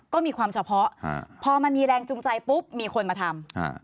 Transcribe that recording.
ก็มีความเฉพาะพอมันมีแรงจูงใจปุ๊บมีคนมาทำ